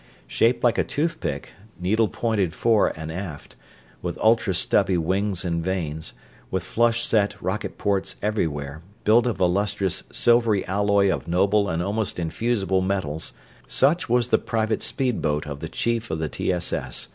Shaped like a toothpick, needle pointed fore and aft, with ultra stubby wings and vanes, with flush set rocket ports everywhere, built of a lustrous silvery alloy of noble and almost infusible metals such was the private speedboat of the chief of the T. S. S.